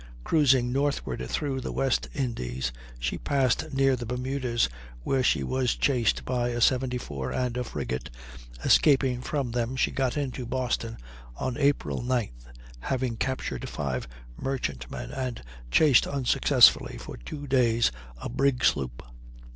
Cruising northward through the West Indies, she passed near the Bermudas, where she was chased by a 74 and a frigate; escaping from them she got into Boston on April 9th, having captured five merchantmen, and chased unsuccessfully for two days a brigsloop.